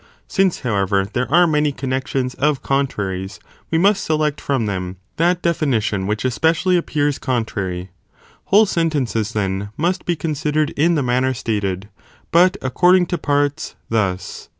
Since however, there are many connexions of contraries, we must select from them, that definition which especially appears Φ CHAP. Ill. | TNE TOPICS. 507 contrary ;' whole sentences then, must be considered in the manner stated, but according to parts, thus."